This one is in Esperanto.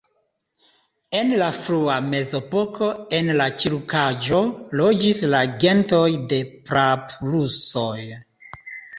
En la frua Mezepoko en la ĉirkaŭaĵo loĝis la gentoj de praprusoj.